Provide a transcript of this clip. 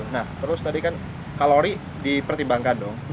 nah terus tadi kan kalori dipertimbangkan dong